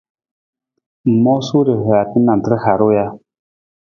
Ng moosa rihaata nantar harung ja?